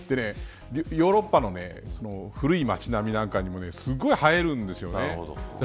ヨーロッパの古い町並みなんかにもすごく映えるんです。